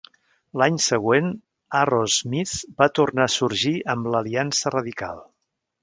L'any següent, Arrowsmith va tornar a sorgir amb l'Aliança radical.